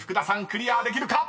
クリアできるか⁉］